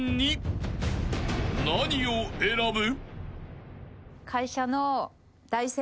［何を選ぶ？］